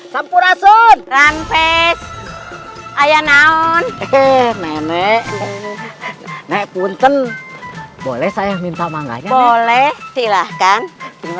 sampurasun rampes ayah naon eh nenek nek punten boleh saya minta mangganya boleh silahkan terima